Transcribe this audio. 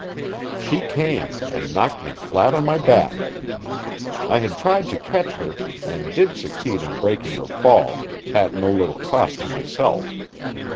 She came, and knocked me flat on my back. I had tried to catch her, and did succeed in breaking her fall, at no little cost to myself.